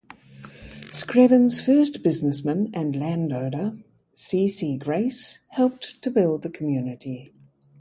Screven's first businessman and landowner, C. C. Grace helped to build the community.